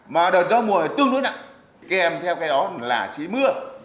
mà đợt gió mùa tương đối nặng kèm theo cái đó là xí mưa